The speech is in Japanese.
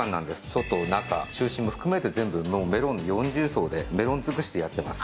外中中心も含めて全部メロンの四重奏でメロンづくしでやってます